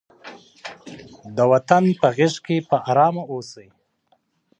د وطن په غېږ کې په ارامه اوسئ.